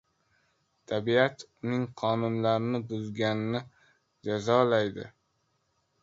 • Tabiat, uning qonunlarini buzganni jazolaydi.